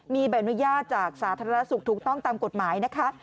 มีใบอนุญาตจากสาธารณสุขถูกต้องตามกฎหมายนะคะ